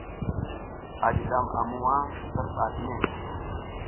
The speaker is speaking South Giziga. A jiɗam a muwa ti sar ɓa kine.